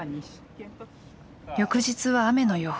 翌日は雨の予報。